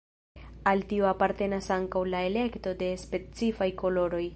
Al tio apartenas ankaŭ la elekto de specifaj koloroj.